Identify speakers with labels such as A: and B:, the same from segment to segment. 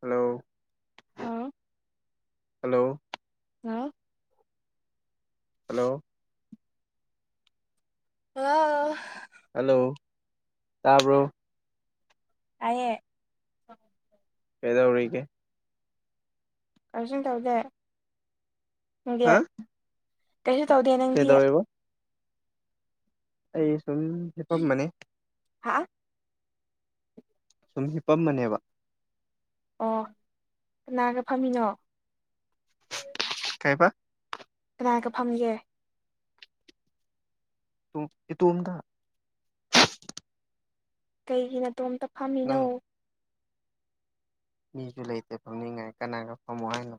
A: hello
B: ꯍꯥ
A: hello
B: ꯍꯥꯎ
A: hello
B: hello
A: hello ꯇꯥꯕ꯭ꯔꯣ
B: ꯇꯥꯌꯦ
A: ꯀꯩꯗꯧꯔꯤꯒꯦ
B: ꯀꯩꯁꯨꯝ ꯇꯧꯗꯦ ꯅꯪꯗꯤ
A: ꯍꯥ
B: ꯀꯩꯁꯨ ꯇꯧꯗꯦ ꯅꯪꯗꯤ
A: ꯀꯩꯗꯧꯋꯦꯕ ꯑꯩ ꯁꯨꯝ ꯍꯤꯄꯝꯕꯅꯤ
B: ꯍꯥ
A: ꯁꯨꯝ ꯍꯤꯄꯝꯕꯅꯦꯕ
B: ꯑꯣ ꯀꯅꯥꯒ ꯐꯝꯃꯤꯅꯣ
A: ꯀꯩꯕ
B: ꯀꯅꯥꯒ ꯐꯝꯒꯦ
A: ꯁꯨꯝ ꯏꯇꯣꯝꯇ
B: ꯀꯩꯒꯤ ꯅꯇꯣꯝꯇ ꯐꯝꯃꯤꯅꯣ
A: ꯅꯪ ꯃꯤꯁꯨ ꯂꯩꯇꯦ ꯐꯝꯅꯤꯡꯉꯥꯏ ꯀꯅꯥꯒ ꯐꯝꯃꯣ ꯍꯥꯏꯅꯣ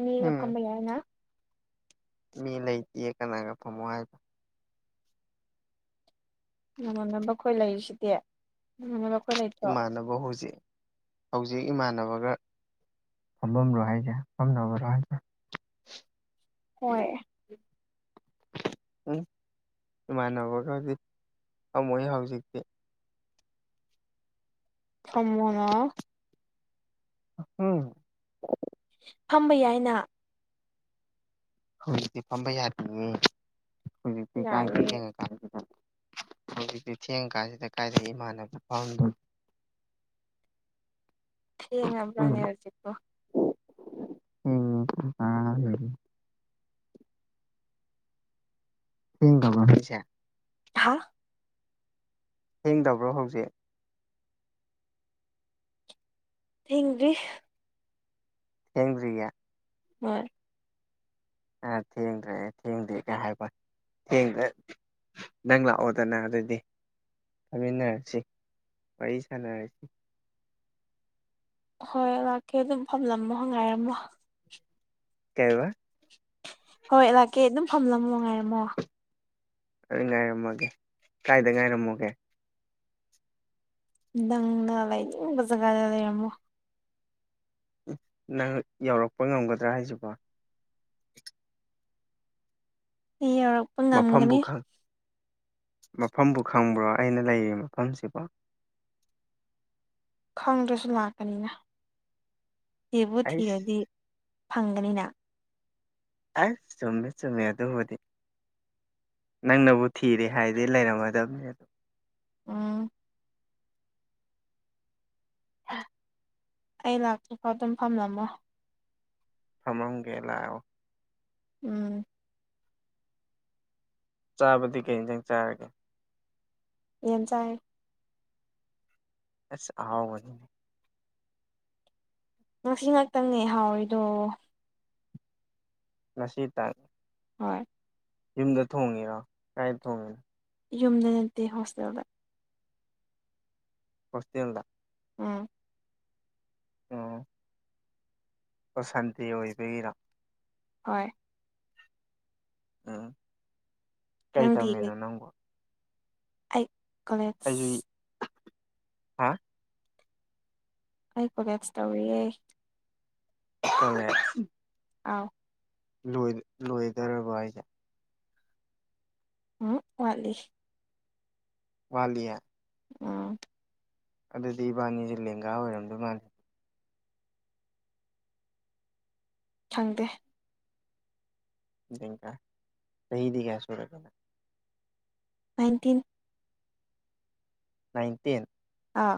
B: ꯃꯤꯒ
A: ꯎꯝ
B: ꯐꯝꯕ ꯌꯥꯏꯅ
A: ꯃꯤ ꯂꯩꯇꯦ ꯀꯅꯥꯒ ꯐꯝꯃꯣ ꯍꯥꯏꯅꯣ
B: ꯅꯃꯥꯟꯅꯕ ꯈꯣꯏ ꯂꯩꯔꯤꯁꯤꯗꯤ ꯅꯃꯥꯟꯅꯕ ꯈꯣꯏ ꯂꯩ
A: ꯏꯃꯥꯟꯅꯕ ꯍꯧꯖꯤꯛ ꯍꯧꯖꯤꯛ ꯏꯃꯥꯟꯅꯕꯒ ꯐꯝꯕꯝꯂꯣ ꯍꯥꯏꯁꯦ ꯐꯝꯅꯕꯔꯣ ꯍꯥꯏꯁꯦ
B: ꯍꯣꯏ
A: ꯎꯝ ꯏꯃꯥꯟꯅꯕꯒꯗꯤ ꯐꯝꯃꯣꯏ ꯍꯧꯖꯤꯛꯇꯤ
B: ꯐꯝꯃꯣꯅ
A: ꯎꯝ
B: ꯐꯝꯕ ꯌꯥꯏꯅ
A: ꯍꯧꯖꯤꯛꯇꯤ ꯐꯝꯕ ꯌꯥꯗꯤꯌꯦ ꯍꯧꯖꯤꯛꯇꯤ
B: ꯌꯥꯏꯌꯦ
A: [unintelligible] ꯍꯧꯖꯤꯛꯇꯤ ꯊꯦꯡ ꯀꯥꯟꯁꯤꯗ ꯀꯥꯏꯗꯩ ꯏꯃꯥꯟꯅꯕ ꯐꯝꯗꯣꯏ [unintelligible] ꯎꯝ
B: ꯊꯦꯡꯉꯕ꯭ꯔꯅꯦ ꯍꯧꯖꯤꯛꯄꯣ
A: ꯎꯝ [inaudible] ꯊꯦꯡꯗꯕ꯭ꯔꯣ ꯍꯧꯖꯤꯛꯁꯦ
B: ꯍꯥ
A: ꯊꯦꯡꯗꯕ꯭ꯔꯣ ꯍꯧꯖꯤꯛ
B: ꯊꯦꯡꯗ꯭ꯔꯤ
A: ꯊꯦꯡꯗ꯭ꯔꯤꯌꯦ
B: ꯍꯣꯏ
A: ꯑ ꯊꯦꯡꯗ꯭ꯔꯦ ꯊꯦꯡꯗꯦ ꯀ ꯍꯥꯏꯕ ꯋꯥꯅꯤ ꯊꯦꯡꯗ꯭ꯔꯦ ꯅꯪ ꯂꯥꯛꯑꯣꯗꯅ ꯑꯗꯨꯗꯤ ꯐꯝꯃꯤꯟꯅꯔꯁꯤ ꯋꯥꯔꯤ ꯁꯥꯟꯅꯔꯁꯤ
B: ꯍꯣꯏ ꯂꯥꯛꯀꯦ ꯑꯗꯨꯝ ꯐꯝꯂꯝꯃꯣ ꯉꯥꯏꯔꯝꯃꯣ
A: ꯀꯩ ꯍꯥꯏꯕ
B: ꯍꯣꯏ ꯂꯥꯛꯀꯦ ꯑꯗꯨꯝ ꯐꯝꯂꯝꯃꯣ ꯉꯥꯏꯔꯝꯃꯣ
A: ꯑꯗꯨꯗꯤ ꯉꯥꯏꯔꯝꯃꯒꯦ ꯀꯥꯏꯗ ꯉꯥꯏꯔꯝꯃꯨꯒꯦ
B: ꯅꯪꯅ ꯂꯩꯅꯤꯡꯕ ꯖꯒꯥꯗ ꯂꯩꯔꯝꯃꯣ
A: ꯅꯪ ꯌꯧꯔꯛꯄ ꯉꯝꯒꯗ꯭ꯔꯥ ꯍꯥꯏꯁꯤꯕꯣ
B: ꯑꯩ ꯌꯧꯔꯛ
A: ꯃꯐꯝꯕꯨ ꯈꯪ ꯃꯐꯝꯕꯨ ꯈꯪꯕ꯭ꯔꯣ ꯑꯩꯅ ꯂꯩꯔꯤ ꯃꯐꯝꯁꯤꯕꯣ
B: ꯈꯪꯗ꯭ꯔꯁꯨ ꯂꯥꯛꯀꯅꯤꯅ ꯊꯤꯕꯨ
A: ꯑꯩꯁ
B: ꯊꯤꯔꯗꯤ ꯐꯪꯒꯅꯤꯅ
A: ꯑ ꯆꯨꯝꯃꯦ ꯆꯨꯝꯃꯦ ꯑꯗꯨꯕꯨꯗꯤ ꯅꯪꯅꯕꯨ ꯊꯤꯔꯦ ꯍꯥꯏꯗꯤ ꯂꯩꯔꯝꯃꯗꯕꯅꯤ ꯑꯗꯨ
B: ꯎꯝ
A: ꯑ
B: ꯑꯩ ꯂꯥꯛꯇ꯭ꯔꯤꯐꯥꯎ ꯑꯗꯨꯝ ꯐꯝꯂꯝꯃꯣ
A: ꯐꯝꯃꯝꯒꯦ ꯂꯥꯛꯑꯣ
B: ꯎꯝ
A: ꯆꯥꯕꯗꯤ ꯀꯩ ꯌꯦꯟꯖꯥꯡ ꯆꯥꯔꯒꯦ
B: ꯌꯦꯟ ꯆꯥꯏꯌꯦ
A: ꯑꯁ ꯑꯍꯥꯎꯕꯅꯤ
B: ꯉꯁꯤ ꯉꯥꯛꯇꯪꯅꯦ ꯍꯥꯎꯔꯤꯗꯣ
A: ꯉꯁꯤ ꯇꯪ
B: ꯍꯣꯏ
A: ꯌꯨꯝꯗ ꯊꯣꯡꯉꯤꯔꯣ ꯀꯗꯥꯥꯏꯗ ꯊꯣꯡꯉꯤꯅꯣ
B: ꯌꯨꯝꯗ ꯅꯠꯇꯦ ꯍꯣꯁꯇꯦꯜꯗ
A: ꯍꯣꯁꯇꯦꯟꯗ
B: ꯎꯝ
A: ꯑꯣ ꯑꯣ ꯁꯟꯗꯦ ꯑꯣꯏꯕꯩꯔꯣ
B: ꯍꯣꯏ
A: ꯎꯝ ꯀꯩ
B: ꯅꯪꯗꯤ
A: ꯇꯝꯃꯤꯅꯣ ꯅꯪꯕꯣ
B: ꯑꯩ ꯀꯣꯂꯦ
A: ꯑꯩꯁꯨ ꯍꯥ
B: ꯑꯩ ꯀꯣꯂꯦꯁ ꯇꯧꯔꯤꯌꯦ
A: ꯀꯣꯂꯦꯖ
B: ꯑꯥꯎ
A: ꯂꯣꯏ ꯂꯣꯏꯗꯧꯔꯕꯣ ꯍꯥꯏꯁꯦ
B: ꯎꯝ ꯋꯥꯠꯂꯤ
A: ꯋꯥꯂꯤꯌꯥ
B: ꯑ
A: ꯑꯗꯨꯗꯤ ꯏꯕꯥꯅꯤꯁꯦ ꯂꯦꯡꯒꯥ ꯑꯣꯏꯔꯝꯗꯣꯏ ꯃꯥꯜꯂꯦ
B: ꯈꯪꯗꯦ
A: ꯀ ꯆꯍꯤꯍꯤꯗꯤꯒ ꯁꯨꯔꯂ
B: ꯅꯥꯏꯟꯇꯤꯟ
A: ꯅꯥꯏꯟꯇꯤꯟ
B: ꯑꯥ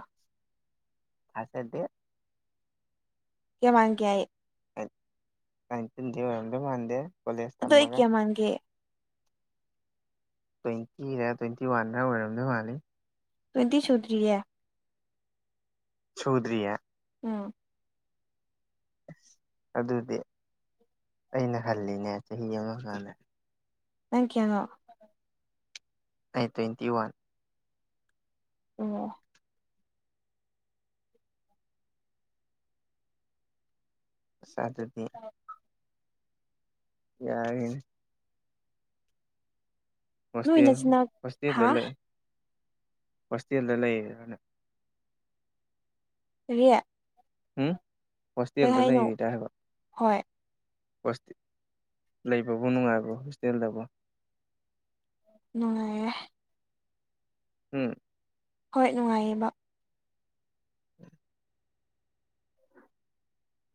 A: ꯊꯖꯗꯦ
B: ꯀꯃꯥꯡꯒꯦꯏ
A: ꯅꯥꯏꯜꯇꯤꯜ ꯗꯤ ꯑꯣꯏꯔꯝꯗꯧ ꯃꯥꯟꯗꯦ ꯀꯣꯂꯦꯖ
B: ꯑꯗꯣ ꯑꯩ
A: ꯇꯝꯃꯒ
B: ꯀꯌꯥ ꯃꯥꯜꯒꯦ
A: ꯇ꯭ꯋꯦꯟꯇꯤꯔ ꯇ꯭ꯋꯦꯟꯇꯤ ꯋꯥꯟꯔ ꯑꯣꯏꯔꯝꯗꯧ ꯃꯥꯜꯂꯤ
B: ꯇꯨ꯭ꯌꯜꯇꯤ ꯁꯨꯗ꯭ꯔꯤꯌꯦ
A: ꯁꯨꯗ꯭ꯔꯤꯌꯦ
B: ꯎꯝ
A: ꯑꯗꯨꯗꯤ ꯑꯩꯅ ꯍꯜꯂꯤꯅꯦ ꯆꯍꯤ ꯑꯃ ꯈ
B: ꯅꯪ ꯀꯌꯥꯅꯣ
A: ꯑꯩ ꯇ꯭ꯋꯦꯟꯇꯤ ꯋꯥꯟ
B: ꯑꯣ
A: ꯁꯥꯗꯗꯤ
B: [unintelligible]
A: ꯌꯥꯔꯅꯦ
B: ꯅꯣꯏ
A: ꯍꯣꯁꯇꯦꯜ
B: ꯅꯆꯤꯟꯅꯥꯎ
A: ꯍꯣꯁꯇꯦꯜꯗ
B: ꯍꯥ
A: ꯂꯩ ꯍꯣꯁꯇꯦꯜꯗ ꯂꯩꯌꯦꯔꯅ
B: ꯀꯔꯤ
A: ꯎꯝ
B: ꯀꯩ
A: ꯍꯣꯁꯇꯦꯜꯗ
B: ꯍꯥꯏꯅꯣ
A: ꯂꯩꯔꯤꯗ ꯍꯥꯏꯕ
B: ꯍꯣꯏ
A: ꯂꯩꯕꯕꯨ ꯅꯨꯡꯉꯥꯏꯕ꯭ꯔꯣ ꯍꯣꯁꯇꯦꯜꯗꯕꯨ
B: ꯅꯨ ꯉꯥꯏ ꯑꯦ
A: ꯎꯝ
B: ꯍꯣꯏ ꯅꯨꯡꯉꯥꯏꯌꯦꯕ
A: [unintelligible]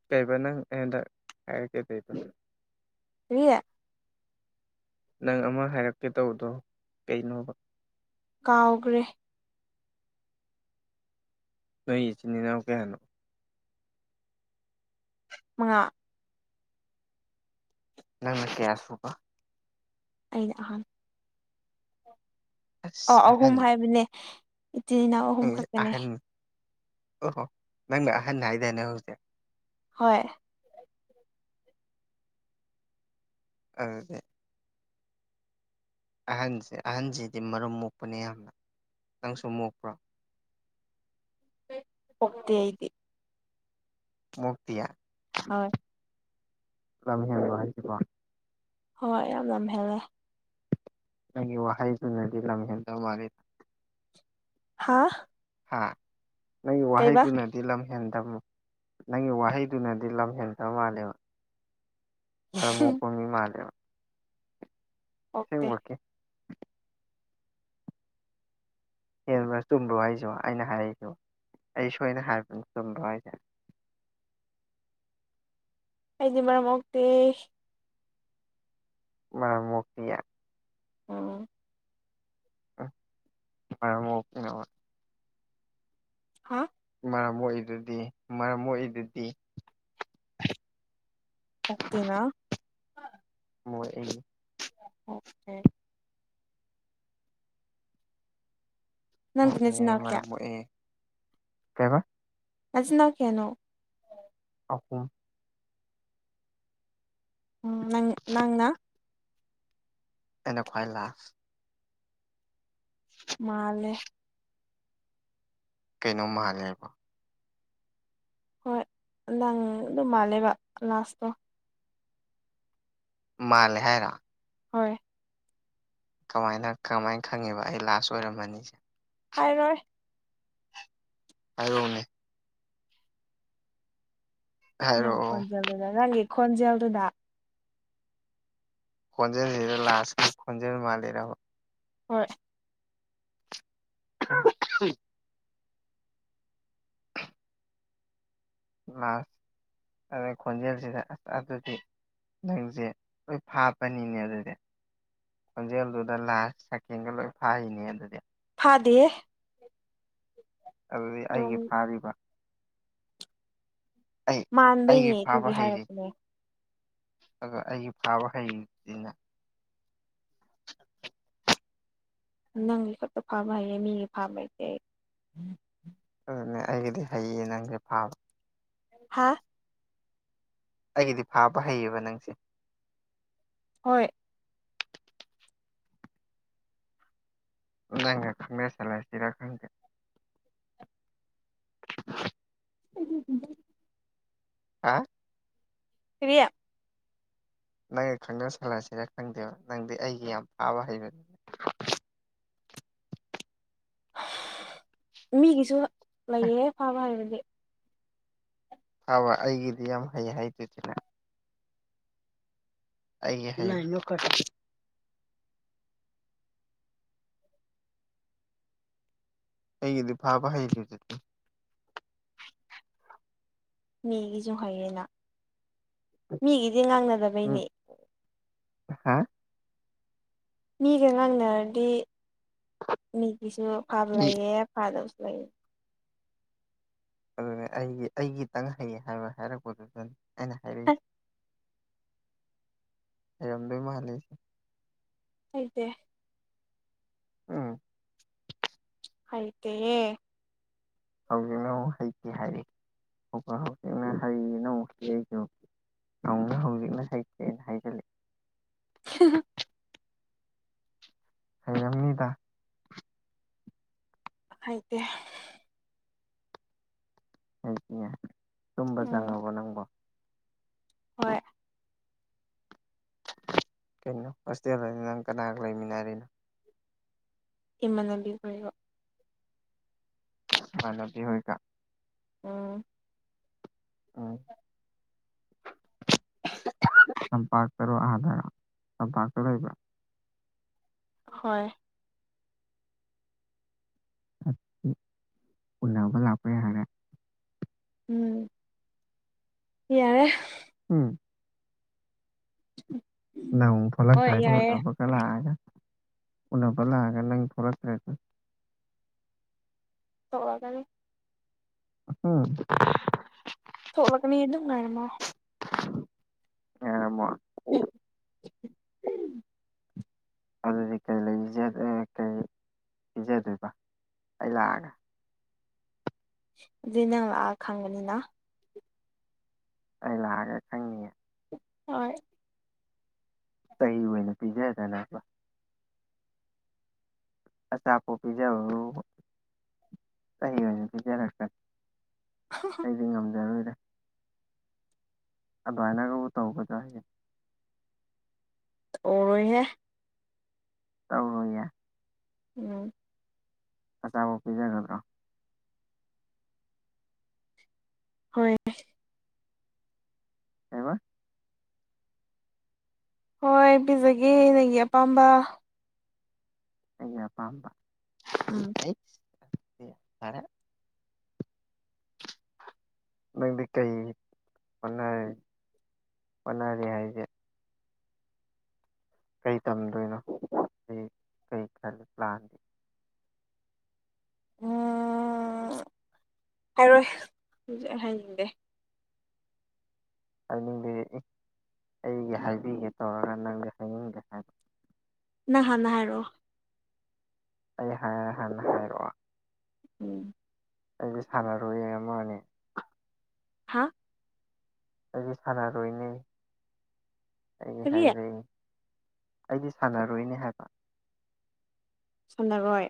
A: ꯀꯩꯕ ꯅꯪ ꯍꯟꯗꯛ ꯍꯥꯏꯔꯛꯒꯦ ꯀꯩꯕ ꯅꯪ
B: ꯔꯤ
A: ꯅꯪ ꯑꯃ ꯍꯥꯏꯔꯛꯀꯦ ꯇꯧꯕꯗꯣ ꯀꯩꯅꯣꯕ
B: ꯀꯥꯎꯈ꯭ꯔꯦ
A: ꯅꯣꯏ ꯏꯆꯤꯟ ꯏꯅꯥꯎ ꯀꯌꯥꯅꯣ
B: ꯃꯉꯥ
A: ꯅꯪ ꯅ ꯀꯌꯥꯁꯨꯕ
B: ꯑꯩꯅ ꯑꯍꯥꯟꯕ
A: ꯑꯁ
B: ꯑ ꯑꯍꯨꯝ
A: ꯑꯍꯟ
B: ꯍꯥꯏꯕꯅꯦ ꯏꯆꯤꯟ ꯏꯅꯥꯎ ꯑꯍꯨꯝ ꯈꯛꯇꯅꯦ
A: ꯑꯍꯟ ꯑꯣꯍꯣ ꯅꯪꯅ ꯑꯍꯟꯅ ꯍꯥꯏꯗꯅꯦ ꯍꯧꯖꯤꯛ
B: ꯍꯣꯏ
A: ꯑꯗꯨꯗꯤ ꯑꯍꯟꯁꯦ ꯑꯍꯟꯁꯤꯗꯤ ꯃꯔꯨꯝ ꯃꯣꯛꯄꯅꯦ ꯌꯥꯝꯅ ꯅꯪꯁꯨ ꯃꯣꯛꯄ꯭ꯔꯣ
B: ꯄꯥꯛꯇꯦ ꯑꯩꯗꯤ
A: ꯃꯣꯛꯇꯤꯌꯦ
B: ꯍꯣꯏ
A: ꯂꯝ ꯍꯦꯅꯕ꯭ꯔꯣ ꯍꯥꯏꯁꯤꯕꯣ
B: ꯍꯣꯏ ꯌꯥꯝ ꯂꯝ ꯍꯦꯜꯂꯦ
A: ꯅꯪꯒꯤ ꯋꯥꯍꯩꯗꯨꯅꯗꯤ ꯂꯝ ꯍꯦꯟꯗꯕ ꯃꯥꯂꯤꯗ
B: ꯍꯥꯥ
A: ꯍꯥ ꯅꯪ ꯋꯥꯍꯤꯗꯨ ꯅꯠꯇ ꯁꯤ ꯂꯝ ꯍꯦꯟꯗꯕ ꯅꯪꯒꯤ ꯋꯥꯍꯩꯗꯨꯅꯗꯤ ꯂꯝ ꯍꯦꯟꯗꯕ ꯃꯥꯜꯂꯦꯕ ꯃꯔꯃꯨ ꯀꯃꯤ ꯃꯥꯗ
B: ꯑꯣꯀꯦ
A: ꯍꯦꯟꯕ ꯆꯨꯝꯗꯣ ꯍꯥꯏꯁꯨ ꯑꯩꯅ ꯍꯥꯏꯔꯛꯏꯁꯨ ꯑꯩ ꯁꯣꯏꯅ ꯍꯥꯏꯕꯅ ꯆꯨꯝꯗ ꯍꯥꯏꯁꯦ
B: ꯍꯥꯏꯗꯤ ꯃꯔꯔ ꯑꯃꯛ ꯗꯦꯁ
A: ꯃ ꯃꯨꯐꯌꯥ
B: ꯑꯣꯝ
A: ꯃ ꯑꯣꯀꯦꯅꯦ
B: ꯍꯥ
A: ꯃꯔꯝ ꯑꯣꯏꯗꯨꯗꯤ ꯃꯔꯝ ꯑꯣꯏꯏꯗꯨꯗꯤ
B: ꯍꯥꯛꯇꯅ
A: ꯃꯣꯏ
B: ꯑꯣ ꯅꯪꯗꯤ
A: ꯑꯣ
B: ꯅꯆꯤꯟꯅꯥꯎ ꯀꯌꯥ
A: ꯃꯔꯝ ꯀꯩꯕ
B: ꯅꯆꯤꯟꯅ ꯀꯩꯅꯣ
A: ꯑꯍꯨꯝ
B: ꯎꯝ ꯅꯪ ꯅꯪ
A: ꯑꯦꯅꯦꯥꯏ ꯂꯥꯁ
B: ꯃꯥꯂꯦ
A: ꯀꯩꯅꯣꯝ ꯃꯥꯜꯂꯦꯕ
B: ꯍꯣꯏ ꯅꯪ ꯑꯗꯨꯝ ꯃꯥꯜꯂꯦꯕ ꯂꯥꯁꯇꯣ
A: ꯃꯥꯜꯍꯦꯔꯥ
B: ꯍꯣꯏ
A: ꯀꯃꯥꯏꯅ ꯀꯃꯥꯏꯅ ꯈꯪꯉꯦꯕ ꯑꯩ ꯂꯥꯁ ꯑꯣꯏꯔꯝꯃꯅꯤꯁꯦ
B: ꯍꯥꯏꯔꯣꯏ
A: ꯍꯥꯏꯧꯅꯦ
B: ꯅꯪ
A: ꯍꯥꯏꯔꯛꯑꯣ
B: ꯈꯣꯟꯖꯦꯜꯗꯨꯗ ꯅꯪꯒꯤ ꯈꯣꯟꯖꯦꯜꯗꯨꯗ
A: ꯀꯣꯟꯖ ꯍꯔ ꯂꯥꯁ ꯀꯣꯟꯖ ꯃꯥꯜꯔꯕꯣ
B: ꯍꯣꯏ
A: ꯎ ꯃꯥ ꯑꯗꯩ ꯈꯣꯟꯖꯦꯜꯁꯤꯗ ꯑꯗꯨꯗꯤ ꯅꯪꯁꯦ ꯂꯣꯏ ꯐꯥꯞꯄꯅꯤꯅꯦ ꯑꯗꯨꯗꯤ ꯈꯣꯟꯖꯦꯜꯗꯨꯗ ꯂꯥꯁ ꯁꯀꯦꯟꯒ ꯂꯣꯏ ꯐꯥꯔꯤꯅꯦ ꯑꯗꯨꯗꯤ
B: ꯐꯥꯗꯦ
A: ꯑꯗꯨꯗꯤ
B: ꯑꯗꯨꯝ
A: ꯑꯩꯒꯤ ꯐꯥꯔꯤꯕ ꯑꯩ ꯑꯩꯒꯤ
B: ꯃꯥꯟꯕꯩꯅꯦ
A: ꯐꯥꯕ
B: ꯑꯗꯨꯒꯤ
A: ꯍꯩꯔꯤ
B: ꯍꯥꯏꯔꯛꯄꯅꯦ
A: ꯑꯗꯨꯒ ꯑꯩꯒꯤ ꯐꯥꯕ ꯍꯩꯁꯤꯅ
B: ꯅꯪꯒꯤ ꯈꯛꯇ ꯐꯥꯔꯝ ꯍꯩꯌꯦ ꯃꯤꯒꯤ ꯐꯥꯔꯝ ꯍꯥꯏꯁꯦ ꯑꯩ
A: ꯑꯗꯨꯅꯦ ꯑꯩꯒꯤꯗꯤ ꯍꯩꯌꯦ ꯅꯪꯁꯦ ꯐꯥꯕ
B: ꯍꯥꯥ
A: ꯑꯩꯒꯤꯗꯤ ꯐꯥꯕ ꯍꯩꯑꯕ ꯅꯪꯁꯦ
B: ꯍꯣꯏ
A: ꯅꯪ ꯈꯪꯦꯁ ꯂ ꯁꯤꯔ ꯈꯪꯒꯦ
B: ꯎ
A: ꯑ
B: ꯀꯔꯤꯌꯥ
A: ꯅꯪꯅ ꯈꯪꯗꯕ ꯁꯂꯁꯤꯔ ꯈꯪꯗꯦꯕ ꯅꯪꯗꯤ ꯑꯩꯒꯤ ꯌꯥꯝ ꯐꯥꯕ ꯍꯩꯕꯅꯤ
B: ꯃꯤꯒꯤꯁꯨ ꯂꯩꯌꯦꯦ ꯐꯕ ꯍꯥꯏꯕꯗꯤ
A: ꯐꯥꯕ ꯑꯩꯒꯤꯗꯤ ꯌꯥꯝ ꯍꯩ ꯍꯥꯏꯗꯁꯤꯅ [unintelligible] ꯑꯩꯒꯤꯗꯤ ꯐꯥꯕ ꯍꯩꯔ ꯆꯠꯇꯦ
B: ꯃꯤꯒꯤꯁꯨ ꯍꯩꯌꯦꯅ ꯃꯤꯒꯤꯗꯤ ꯉꯥꯡꯅꯗꯕ
A: ꯎꯝ ꯍꯥ
B: ꯃꯤꯒ ꯉꯥꯡꯅꯔꯗꯤ ꯃꯤꯒꯤꯁꯨ ꯐꯕ ꯂꯩꯌꯦ ꯐꯗꯕꯁꯨ ꯂꯩꯑ
A: ꯑꯗꯨꯅꯦ ꯑꯩꯒꯤ ꯑꯩꯒꯤꯇꯪ ꯍꯩ ꯍꯥꯏꯕ ꯍꯥꯏꯔꯛꯄꯗꯨꯗꯅꯤ ꯑꯩꯅ ꯍꯥꯏꯔꯛꯏꯁꯦ ꯂꯩꯔꯝꯗꯣꯏ ꯃꯥꯜꯂꯤꯁꯦ
B: ꯍꯩꯇꯦ
A: ꯎꯝ
B: ꯍꯩꯇꯦꯍꯦ
A: ꯍꯧꯖꯤꯛꯅ ꯑꯃꯨꯛ ꯍꯩꯇ ꯍꯥꯏꯔꯤ ꯑꯗꯨꯒ ꯍꯧꯖꯤꯛꯅ ꯍꯩꯅ ꯑꯃꯨꯛ ꯍ ꯑꯩꯁꯨ ꯅꯧꯅ ꯍꯧꯖꯤꯛꯅ ꯍꯩꯇꯦꯅ ꯍꯥꯏꯖꯜꯂꯛꯑꯦ
B: [unintelligible]
A: ꯍꯩꯔꯝꯅꯤꯗ
B: ꯍꯩꯇꯦ
A: ꯍꯩꯇꯤꯌꯦ ꯇꯨꯝꯕ
B: ꯎꯝ
A: ꯆꯪꯉꯕꯣ ꯅꯪꯕꯣ
B: ꯍꯣꯏ
A: ꯀꯩꯅꯣ ꯍꯣꯁꯇꯦꯜꯗꯅꯤ ꯅꯪ ꯀꯅꯥꯒ ꯂꯩꯃꯤꯟꯅꯔꯤꯅꯣ
B: ꯏꯃꯥꯟꯅꯕꯤꯈꯣꯏꯒ
A: ꯢꯃꯥꯟꯅꯕꯤ ꯍꯣꯢꯒ
B: ꯎꯝ
A: [unintelligible] ꯇꯝꯄꯥꯛꯇꯔꯣ ꯑꯥꯗꯔꯣ ꯇꯝꯄꯥꯛꯇ ꯂꯩꯕ꯭ꯔꯥ
B: ꯍꯣꯏ
A: ꯑꯗꯨ ꯎꯅꯕ ꯂꯥꯛꯄ ꯌꯥꯔꯦ
B: ꯎꯝ ꯌꯥꯔꯦ
A: ꯎꯝ
B: [unintelligible]
A: ꯅꯪꯃꯨꯛ
B: ꯍꯣꯏ
A: ꯊꯣꯛꯂꯛꯇ꯭ꯔꯗꯤ
B: ꯌꯥꯏꯌꯦ
A: ꯎꯅꯕꯒ ꯂꯥꯛꯑꯒ ꯎꯅꯕ ꯂꯥꯛꯑꯒ ꯅꯪ ꯊꯣꯛꯂꯛꯇ꯭ꯔꯗꯤ
B: ꯊꯣꯛꯂꯛꯀꯅꯤ
A: ꯎꯝ
B: ꯊꯣꯛꯂꯒꯅꯤ ꯑꯗꯨꯝ ꯉꯥꯢꯔꯝꯃꯣ
A: ꯉꯥꯢꯔꯝꯃꯣ
B: [unintelligible]
A: ꯑꯗꯨꯗꯤ ꯀꯩ ꯂꯩ ꯀꯩ ꯄꯤꯖꯗꯣꯏꯕ ꯑꯩ ꯂꯥꯛꯑꯒ
B: ꯑꯗꯨꯏ ꯅꯪ ꯂꯥꯛꯑ ꯈꯪꯕꯅꯤꯅ
A: ꯑꯥꯏ ꯂꯥꯛꯑꯒ ꯈꯪꯅꯤꯌꯦ
B: ꯍꯣꯏ
A: ꯆꯩ ꯑꯣꯏꯅ ꯄꯤꯖꯦꯗꯅꯕ ꯑꯆꯥꯥꯄꯣꯠ ꯄꯤꯖꯕꯕꯨ ꯆꯩ ꯑꯣꯏꯅ ꯄꯤꯖꯔꯛꯇꯅ
B: [unintelligible]
A: ꯑꯩꯗꯤ ꯉꯝꯖꯔꯣꯏꯗ ꯑꯗꯨꯃꯥꯏꯅꯒꯕꯨ ꯇꯧꯕꯗꯣ ꯍꯌꯦꯦ
B: ꯇꯣꯔꯣꯏꯍꯦ
A: ꯇꯧꯔꯣꯢꯌꯦ
B: ꯎꯝ
A: ꯑꯆꯥꯄꯣꯠ ꯄꯤꯖꯒꯗ꯭ꯔꯣ
B: ꯍꯣꯏ
A: ꯀꯩꯕ
B: ꯍꯣꯏ ꯄꯤꯖꯒꯦ ꯅꯪꯒꯤ ꯑꯄꯥꯝꯕ ꯎꯝ
A: ꯑꯩꯄꯥꯕꯔꯦ ꯅꯪꯗꯤ ꯀꯩ ꯍꯣ ꯍꯣꯠꯅꯔꯤ ꯍꯥꯏꯁꯦ ꯀꯩ ꯇꯝꯗꯣꯏꯅꯣ ꯀꯩ ꯀꯩ ꯈꯜꯂꯤ ꯄ꯭ꯂꯥꯟꯗꯤ
B: ꯑꯣ ꯍꯥꯏꯔꯣꯏ ꯍꯧꯛ ꯍꯥꯏꯅꯤꯡꯗꯦ
A: ꯍꯥꯏꯅꯤꯡꯕꯤꯔꯏ ꯑꯩꯒꯤ ꯍꯥꯏꯕꯤꯒꯦ ꯇꯧꯔꯒ ꯅꯪꯒ ꯍꯥꯏꯅꯤꯡꯒꯦ ꯍꯥꯏꯕ
B: ꯅꯍꯥꯟ ꯅ ꯍꯥꯏꯔꯣꯑꯣ
A: ꯑꯩ ꯍꯥ ꯍ
B: ꯎꯝ
A: ꯑꯩꯁꯦ ꯁꯥꯟꯅꯔꯣꯏ ꯑꯃꯅꯤꯅꯦ
B: ꯍꯥ
A: ꯑꯩ ꯁꯥꯟꯅꯔꯣꯏꯅꯦ ꯑꯩ
B: ꯀꯔꯤ
A: ꯍꯥꯏꯔꯛꯏ ꯑꯩꯗꯤ ꯁꯥꯟꯅꯔꯣꯏꯅꯦ ꯍꯥꯏꯕ
B: ꯁꯝꯅꯔꯣꯏ